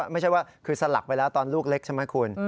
ไม่ใช่ว่าคือสลักไปแล้วตอนลูกเล็กใช่ไหมคุณ